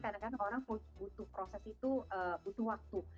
karena orang butuh proses itu butuh waktu